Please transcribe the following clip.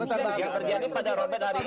yang terjadi pada robert hari ini